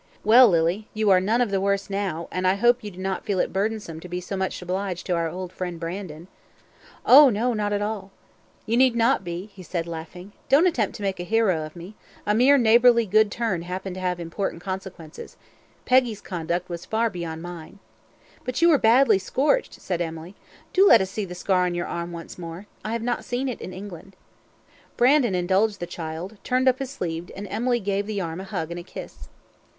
"Well, Lily, you are none of the worse now, and I hope you do not feel it burdensome to be so much obliged to our old friend Brandon." "Oh no, not at all." "You need not be," said he, laughing; "don't attempt to make a hero of me: a mere neighbourly good turn happened to have important consequences. Peggy's conduct was far beyond mine." "But you were badly scorched," said Emily. "Do let us see the scar on your arm once more I have not seen it in England." Brandon indulged the child; turned up his sleeve, and Emily gave the arm a hug and a kiss.